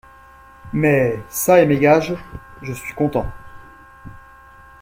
Mais, ça et mes gages, je suis content.